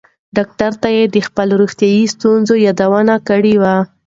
ډاکټر ته یې د خپلو روغتیایي ستونزو یادونه کړې وه.